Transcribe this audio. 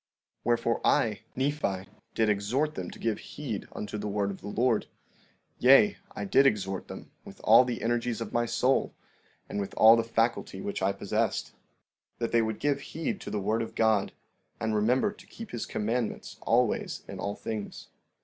15:25 Wherefore, I, Nephi, did exhort them to give heed unto the word of the Lord; yea, I did exhort them with all the energies of my soul, and with all the faculty which I possessed, that they would give heed to the word of God and remember to keep his commandments always in all things.